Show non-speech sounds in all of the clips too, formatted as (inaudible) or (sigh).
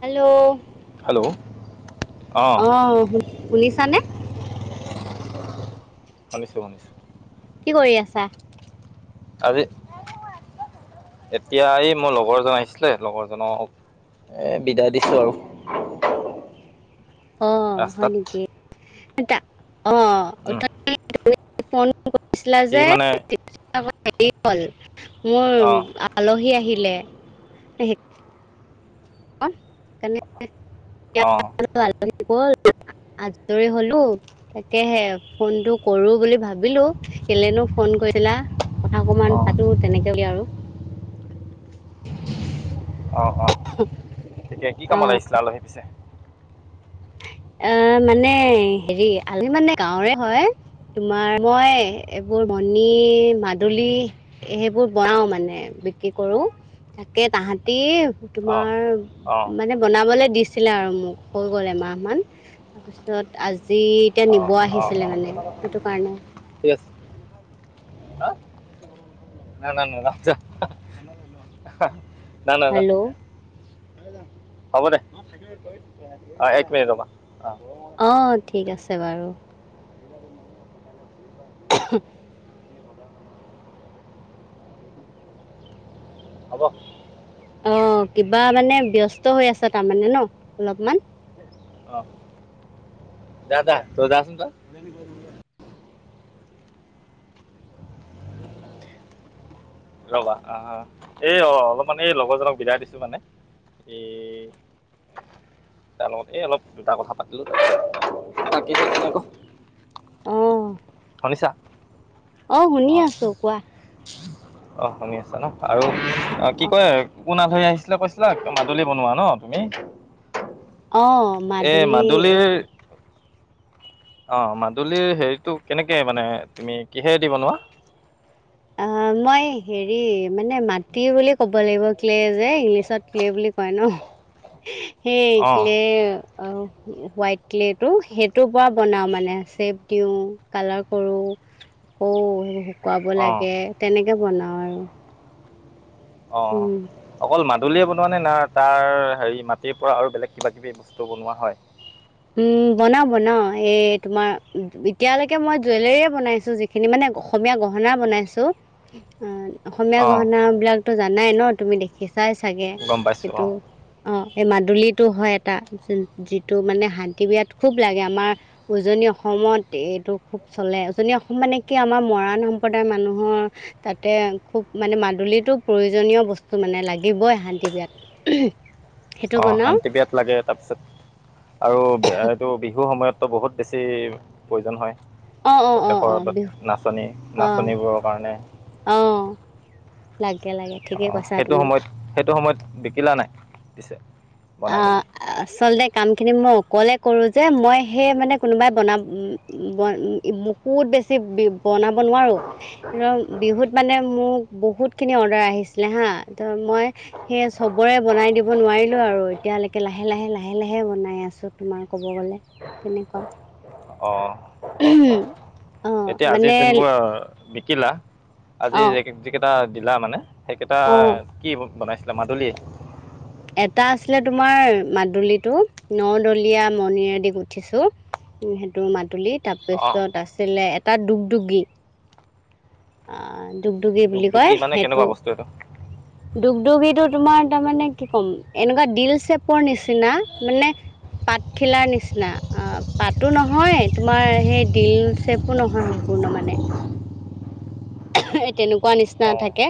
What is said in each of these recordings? Hello hello অ আহ শু শুনিছানে? শুনিছোঁ শুনিছোঁ। কি কৰি আছা? আজি এতিয়া এই মোৰ লগৰ জন আহিছিলে লগৰ জনৰ এ বিদায় দিছোঁ আৰু। অ হয় ৰাস্তাত নেকি এ অ উম ফোন কৰিছিলা সি যে মানে হে হল মোৰ অ আলহী আহিলে। সেইকাৰণে অ আৰু আলহি গল। আজৰি হলো তাকেহে ফোনটো কৰো বুলি ভাবিলো। কেলেনো ফোন কৰিছিলা? কথা অকণমান অ পাতোঁ তেনেকৈ বুলি আৰু অ অ তেতিয়া কি অ কামত লাগিছিলা আলহী পিছে? অ মানে হেৰি আলহি মানে গাঁৱৰে হয়। তোমাৰ মই এইবোৰ মণি মাদুলী সেইবোৰ বনাও মানে। বিক্ৰী কৰো তাকে তাহাঁতি অ তোমাৰ অ মানে বনাবলৈ দিছিলে আৰু মোক হৈ গ'ল এমাহমান। তাৰপিছত আজি এতিয়া অ নিব আহিছিলে মানে সেইটো কাৰণে ব (unintelligible) না না নাযাও যা না না না হেল্ল' হ'ব দে অ এক মিনিটৰ ৰৱা। অ ঠিক আছে বাৰু। (unintelligible) হ'ব। অ কিবা মানে ব্যস্ত হৈ আছ তাৰমানে ন অলপমান। অ যা যা তই যা চুন যা। ৰবা অ এই অ অলপমান এই লগৰজনক বিদায় দিছো মানে। এ। তাৰ লগতে এই অলপ দুটা কথা পাতিলো বাক তাকে বোলোঁ। অ শুনিছা। অ শুনি আছোঁ কোৱা। অ শুনি আছা ন আৰু অ কি কয় কোন আলহী আহিছিলে কৈছিলা মাদুলীৰ বনোৱা ন অহ এই মাদুলী মাদুলিৰ এইবোৰ অ মাদুলীৰ হেৰিটো কেনেকে মানে তুমি কিহেৰে দি বনোৱা? অ মই হেৰি মানে মাটি বুলি ক'ব লাগিব ক্লে যে ইংলিছত ক্লে বুলি হয় ন (unintelligible) সেই অ ক্লে হোৱাইট ক্লেটো সেইটোৰ পৰা বনাওঁ মানে চেপ দিওঁ কালাৰ কৰোঁ। (inaudible) আকৌ শুকুৱাব অ লাগে তেনেকে বনাও। অ অকল মাত- দলিয়ে বনোৱা নে নাই তাৰ হেৰি মাটিৰ পৰা আৰু বেলেগ কিবাকিবি বস্তু বনোৱা হয়। উম বনাও বনাও এই তোমাৰ এতিয়ালৈকে মই জুৱেলৰে বনাইছো যিখিনি মানে অসমীয়া গহনা বনাইছো অ। অসমীয়া অ গহনা বিলাকতো জানাই ন তুমি দেখিছাই চাগে গম পাইছো অ এইটো অ। এই মাদুলী হয় এটা যিটো মানে শান্তিব বিৰাত খুব লাগে আমাৰ উজনি অসমত এইটো খুব চলে উজনি অসম মানে কি আমাৰ মৰাণ সম্প্ৰদায়ৰ মানুহৰ তাতে খুব মানে মাদুলীতো প্ৰয়োজনীয় বস্তু মানে লাগে। লাগিবই শান্তি বিয়াত উঁহুম। অ শান্তি বিয়াত লাগে তাৰপিছত আৰু এইটো বিহু সময়তো বহুত বেছি বেছি প্ৰয়োজন হয় অঁ অঁ অঁ অঁ বিহু প্ৰতেকৰৰ নাচনী নাচনীবোৰৰ কাৰণে। অ লাগে। লাগে অ ঠিকেই কৈছা সেইটো তুমি সময়ত সেইটো সময়ত বিকিলা নাই পিছে। অ বনাই মেলি আচলতে। কামখিনি মই অকলে কৰোঁ যে মই সেই মানে কোনোবাই বনা বন বহুত। বেছি বি বনাব নোৱাৰো ৰ বিহুত মানে মোক বহুতখিনি অৰ্ডাৰ আহিছিলে। হা ত মই সেই চবৰে বনাই দিব নোৱাৰিলো আৰু। এতিয়ালৈকে লাহে লাহে লাহে লাহে বনাই আছোঁ তোমাৰ ক'ব গ'লে তেনেকুৱা। অঁ অঁ অঁ। অঁ এতিয়া আজি মানে যোনবোৰ বিকিলা আজি অঁ যে যিকেইটা। দিলা মানে সেইকেইটা অঁ কি বনাইছিলা মাদুলীয়ে। এটা আছিলে তোমাৰ মাদুলীটো নদলীয়া মণিৰেদি গুঠিছো। সেইটো মাদুলি অঁ তাৰপিছত আছিলে এটা ডগডুগি। আহ দুগদগী বুলি দুগদুগী কয় মানে কেনেকুৱা সেইটো। বস্তু এইটো ডগডুগি তোমাৰ তাৰমানানে কি ক'ম এনেকুৱা দিল চেপৰ নিচিনা মানে। পাত খিলাৰ নিচিনা অ পাতো নহয় তোমাৰ সেই দিল চেপো নহয় সম্পূৰ্ণ। পূৰ্ণ মানে। তেনেকুৱা নিচিনা অঁ থাকে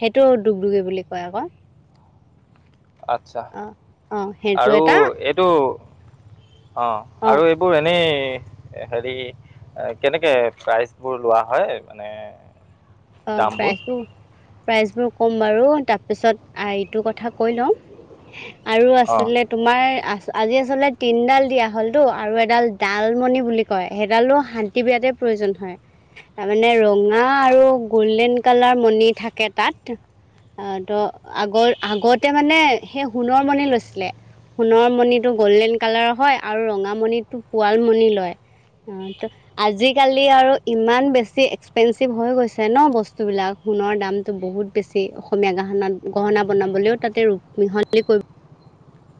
সেইটো দুগদুগি বুলি কয় আকৌ। (inaudible) আচ্ছা অঁ অঁ সেইটো আৰু এটা এইটো। অ অঁ আৰু এইবোৰ এনেই হেৰি। কেনেকে প্ৰাইজ বোৰ লোৱা হয় মানে। অ দামবোৰ প্ৰাইছো। প্ৰাইচবোৰ ক'ম বাৰু তাৰপিছত আইটো কথা কৈ লওঁ। আৰু অঁ আছিলে তোমাৰ আ। আজি আচলতে তিনডাল দিয়া হল টো আৰু এডাল ডালমণি বুলি কয় সেইডালো শান্তি বিয়াতে প্ৰয়ো জন হয় তাৰমানানে ৰঙা আৰু গল্ডেন কালাৰ মণি থাকে তাত। আহ ত আগৰ আগতে মানে সেই সোণৰ মণি লৈছিলে। সোণৰ মণিটো গল্ডেন কালাৰ হয় আৰু ৰঙামণিটো পোৱাল মণি লয়। অ ত আজিকালি আৰু ইমান বেছি এক্সপেঞ্চিভ হৈ গৈছে। চে ন বস্তুবিলাক সোণৰ দামটো বহুত বেছি অসমীয়া গহনাত গহনা বনাবলৈও তাতে ৰূপ। মিহলি কৈ।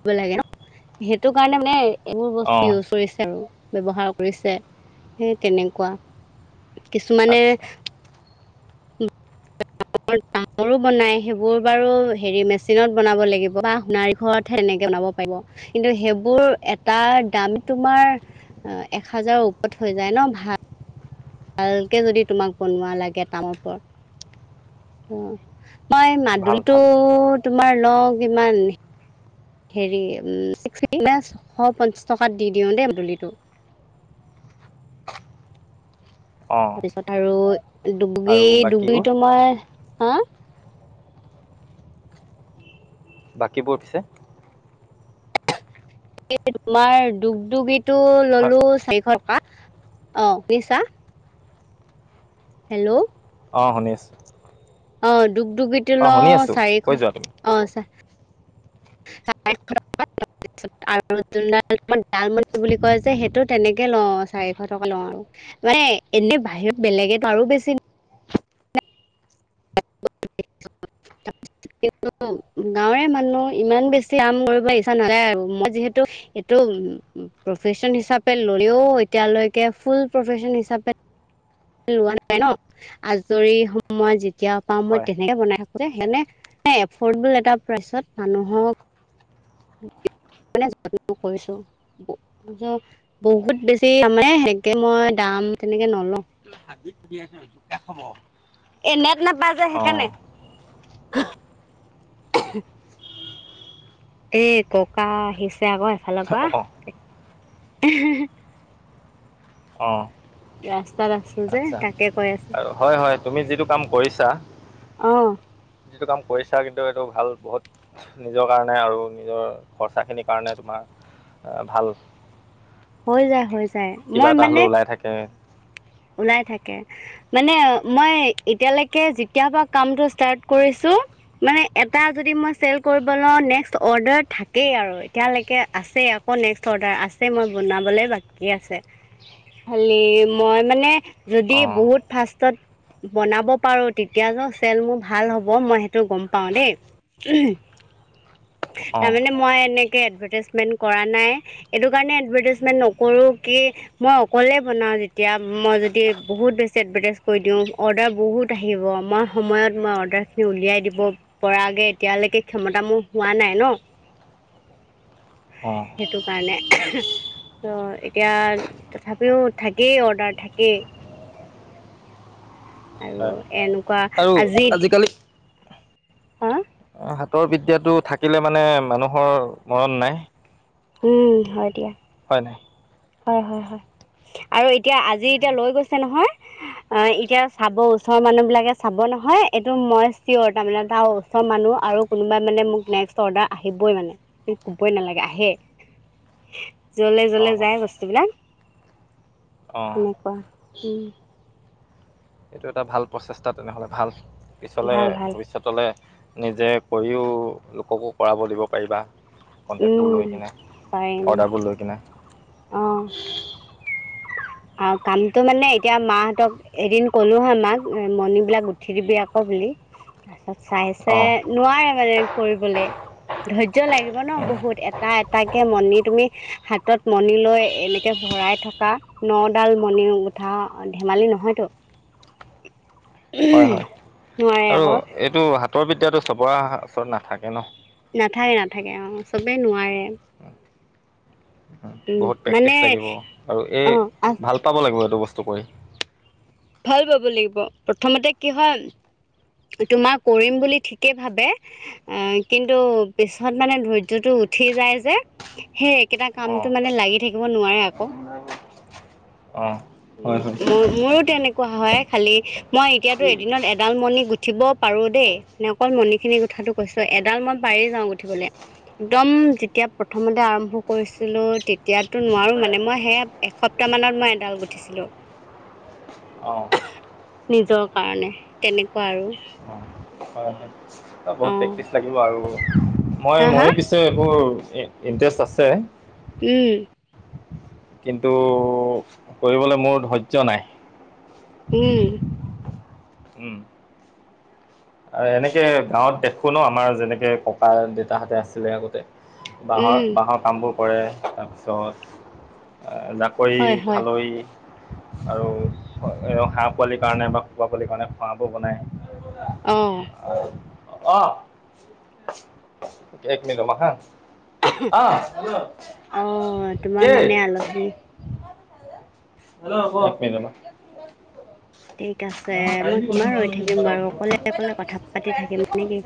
ব লাগে ন সেইটো কাৰণে মানে এইবোৰ বস্তু অঁ ইউছ কৰিছে আৰু। ব্যৱহাৰ কৰিছে সেই তেনেকুৱা কিছুমানে। আচ্ছা (inaudible) মোৰো বনাই সেইবোৰ বাৰু হেৰি মেচিনত বনাব লাগিব বা সোণাৰীঘৰতহে এনেকে বনাব পাৰিব। কিন্তু সেইবোৰ এটা দাম তোমাৰ এক হাজাৰৰ ওপৰত হৈ যায় ন ভাল। (inaudible) ভালকে যদি তোমাক বনোৱা লাগে তামৰ পৰত অ। মই ভাল ভাল মাদুলটো তোমাৰ লওঁ কিমান। হেৰি ছিক্স এনে ছশ পঞ্চাছ টকাত দি দিওঁ দেই মাদুলিটো। (inaudible) অঁ তাৰপিছত আৰু দুগদুগী আৰু বাকীবোৰ দুগদুগীটো মই হা। বাকীবোৰ পিছে। এই তোমাৰ দুগদগিটো হয় ললো চাৰিশ টকা। অ নিছা। হেল্ল'। অঁ শুনিছো অ দুগ দুগিটো লওঁ চাৰিশ কৈ যোৱা তুমি অ চ (unintelligible) আৰুন ডালম বুলি কয় যে সেইটো তেনেকে লওঁ চাৰিশ টকা লওঁ আৰু মানে এনে বাহিৰত বেলেগ তো আৰু বেছি (inaudible) (inaudible) কি গাঁৱৰে মানুহ ইমান বেছি আম কৰিব ইচ্ছা নালায় আৰু মই যিহেতু এইটো প্ৰফেশচন হিচাপে ল'লেও এতিয়ালৈকে ফুল প্ৰফেচন হিচাপে লোৱা নাপাই ন আজৰি সময় যেতিয়া পাওঁ মই হয় তেনেকে বনাই থাকো যে সেই ন এফৰ্ডেবল এটা প্ৰাইচত মানুহক যত্ন কৰিছো বহুত বেছি মানে সেনেকে মই তেনেকে নল এ নেট নাপায় যে সেইকাৰণে অঁ (inaudible) (inaudible) এ ককা আহিছে আকৌ এফালৰ পৰা অঁ হে হে হে অঁ ৰাস্তাত আছো যে আচ্ছা তাকে কৈ আছ আৰু হয় হয় তুমি যিটো কাম কৰিছা অঁ যিটো কাম কৰিছা কিন্তু সেইটো ভাল বহুত নিজৰ কাৰণে আৰু নিজৰ খৰচাখিনিৰ কাৰণে তোমাৰ আহ ভাল হৈ যায় হৈ যায় কিবা মই এটা মানে হ'লেও ওলাই থাকে ওলাই থাকে মানে মই এতিয়ালেকে যেতিয়া পৰা কামটো ষ্টাৰ্ট কৰিছো মানে এটা যদি মই চেল কৰিব লও নেস্ক অৰ্ডাৰ থাকেই আৰু এতিয়ালকে আছে আকৌ নেক্স অৰ্ডাৰ আছে মই বোনাবলে বাকী আছে খালি মই মানে যদি অঁ বহুত ফাৰ্ষ্টত বনাব পাৰো তেতিয়া ক চেল মোৰ ভাল হ'ব মই সেইটো গম পাও দেই উ তাৰ অঁ মানে মই এনেকে এদভাৰটাইচমেণ্ট কৰা নাই এইটো কাৰণে এডভাৰটাইজমেণ্ট নকৰোঁ কি মই অকলেই বনাওঁ যেতিয়া মই যদি বহুত বেছি এডভাৰটাইজঁ কৈ দিওঁ অৰ্ডাৰ বহুত আহিব মই সময়ত মই অৰ্ডাৰখিনি উলিয়াই দিব পৰা আগে এতিয়ালে সে ক্ষমতা মোৰ হোৱা নাই ন (inaudible) অঁ সেইটো কাৰণে ত এতিয়া তথাপিও থাকেই অৰ্ডাৰ থাকেই আৰু হয় এনেকুৱা আৰু আজিত আজিকালি হা- হাতৰ বিদ্যাটো থাকিলে মানে মানুহৰ মৰণ নাই। উম হয় দিয়া। হয় হয় হয় হয় আৰু এতিয়া আজি এতিয়া লৈ গৈছে নহয় অ এতিয়া চাব ওচৰৰ মানুহ বিলাকে চাব ন নহয় এইটো মই চিয়'ৰ তাৰমানে তাৰ ওচৰ মানুহ আৰু কোনোবাই মানে মোক নেক্স অৰ্ডাৰ আহিবই মানে ক'বই নালাগে আহে জলে জলে অঁ যায় বস্তুবিলাক অঁ এনেকুৱা হু এইটো এটা ভাল প্ৰচেষ্টা তেনেহ'লে ভাল পিছলে ভাল ভাল ভৱিষ্যতলে নিজে কৰিও লোককো কৰাব দিব পাৰিবা কনটেক্ট বোৰ উম, লৈ কিনে পাৰিম অৰ্ডাৰবোৰ লৈ কিনে (inaudible) অ কামতটো মানে এতিয়া মা হতক এদিন কলো হা মাক মণিবিলাক উঠি দিবি আকৌ বুলি। তা ছত চাইছে অঁ নোৱাৰে মানে কৰিবলৈ ধৈৰ্য লাগিব ন বহুত এটা এটাকে মণি তুমি হাতত মণি লৈ এনেকে ভৰাই থকা নডাল মণি উঠা ধেমালি নহয়তো (inaudible) হয় হয় নোৱাৰে আৰু আকৌ এইটো হাতৰ বিদ্যাটো চবৰে হৃ ওচৰত নাথাকে ন নাথাকে নাথাকে অ চবে নোৱাৰে উম, বহুত প্ৰেক্টিছ মানে লাগিব আৰু এই অঁ ভাল পাব লাগিব এইটো বস্তু কৰি ভাল পাব লাগিব প্ৰথমতে কি হয় তোমাৰ কৰিম বুলি ঠিকে ভাবে আহ কিন্তু পিছত মানে ধৰ্য্যটো উঠি যায় যে সেই একেটা কামটো মানে লাগি থাকিব নোৱাৰে আকৌ অহ উম মো মোৰো তেনেকুৱা হয় খালি মই এতিয়াতো এদিনত এডাল মণি গুথ গুঠিব পাৰোঁ দেই মানে অকল মণিখিনিৰ কথাটো কৈছো এডাল মই পাৰি যাওঁ গুঠিবলে একদম যেতিয়া প্ৰথমতে আৰম্ভ কৰিছিলোঁ তেতিয়াতো নোৱাৰো মানে মই সে এসপ্তাহ মানত মই ডাল গুঠিছিলোঁ (unintelligible) নিজৰ কাৰণে তেনেকুৱা আৰু অঁ হয় হয় বহুত অঁ প্ৰেক্টিচ লাগিব আৰু মই হা হা ময়ো পিছে এইবোৰ ইণ্টাৰেষ্ট আছে উম কিন্তু কৰিবলৈ মোৰ ধৈৰ্য্য নাই উম উম আৰু এনেকে গাঁৱত দেখো ন আমাৰ যেনেকে ককা দেউতাহঁতে আছিলে আগতে বাঁহৰ উম বাঁহৰ কামবোৰ কৰে তাৰপিছত জাকৈ হয় হয় খালৈ আৰু হাঁহ পোৱালিৰ কাৰণে বা কুকুৱা পোৱালিৰ কাৰণে খোৱা বোৰ বনায়। অহ অ এক মিনিট ম হা অ অহ কি তোমাৰ এক মানে আলহী। হ মানে ঠিক আছে (unintelligible) ব ব মই কিমান ৰৈ থাকিম বাৰু অকলে অকলে কথা পাতি থাকিম নেকি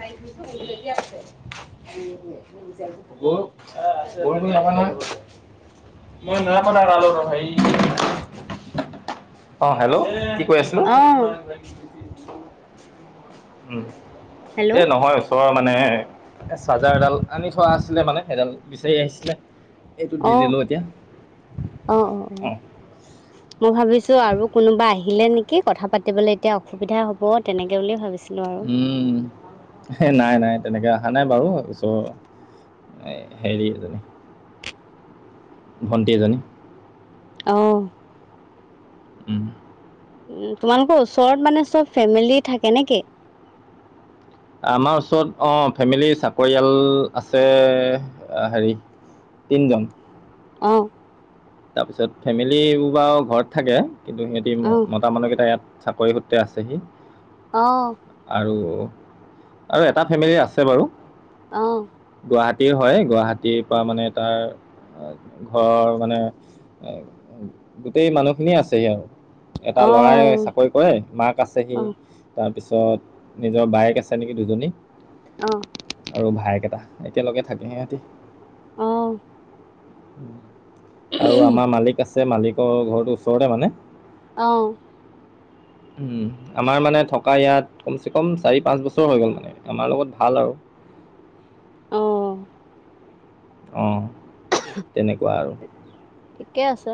নি যাবা নাই মই নাই বনা কৰোঁ লগত অ হেল্ল' কি কৈ আছিলো অঁ উ হেল্ল' এ নহয় ওচৰৰ মানে এ চাৰ্জাৰ এডাল আনি থোৱা আছিলে মানে সেইডাল বিচাৰি আহিছিলে এইটো দি অঁ দিলোঁ এতিয়া অঁ মই ভাবিছো আৰু কোনোবা আহিলে নেকি কথা পাতিবলৈ এতিয়া অসুবিধা হ'ব তেনেকে বুলিয়ে ভাবিচিল উম এ নাই নাই তেনেককা অহা নাই বাৰু তিছ এ হেৰি ভণ্টি এজনী। অহ উম। তোমালোকৰ ওচৰত মানে চব ফেমিলি থাকে নে কি? আমাৰ ওচৰত অ ফেমিলি চাকৰিয়াল আছে হেৰি তিন জন অ', তাৰপিছত ফেমিলি বাৰু ঘৰত থাকে কিন্তু সিহঁতি অঁ মতা মানুহকেইটা ইয়াত চাকৰি সূত্ৰে আছেহি অঁ আৰু আৰু এটা ফেমিলি আছে বাৰু অ গুৱাহাটীৰ হয় গুৱাহাটীৰ পৰা মানে তাৰ ঘৰৰ মানে গোটেই মানুহখিনিয়ে আছে আৰু এটা লৰাই অঁ চাকৰি কৰে মাক আছে সি অঁ তাৰ তাৰপিছত নিজৰ বায়েক আছে নেকি দুজনী আৰু ভায়েক এটা একেলগে থাকে সিহঁতি অ আৰু আমাৰ মালিক আছে মালিকৰ ঘৰটো ওচৰতে মানে। অ (inaudible) উ আমাৰ মানে থকা ইয়াত কমচে কম চাৰি পাঁচ বছৰ হৈ গ'ল মানে আমাৰ লগত ভাল আৰু (inaudible) অ অ তেনেকুৱা আৰু ঠিকে আছে।